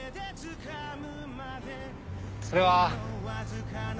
それは